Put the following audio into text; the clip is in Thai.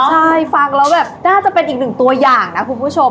ใช่ฟังแล้วแบบน่าจะเป็นอีกหนึ่งตัวอย่างนะคุณผู้ชม